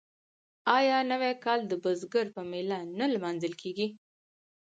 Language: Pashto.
آیا نوی کال د بزګر په میله نه لمانځل کیږي؟